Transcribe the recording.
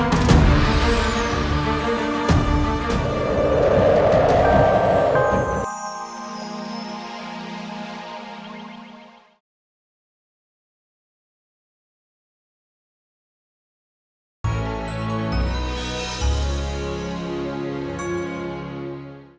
assalamualaikum warahmatullahi wabarakatuh